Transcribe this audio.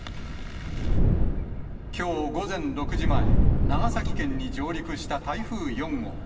きょう午前６時前、長崎県に上陸した台風４号。